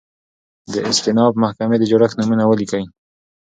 د استیناف محکمي د جوړښت نومونه ولیکئ؟